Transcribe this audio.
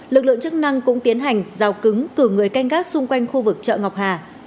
lực lượng chức năng cũng tiến hành rào cứng cử người canh gác xung quanh khu vực chợ ngọc hà